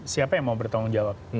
siapa yang mau bertanggung jawab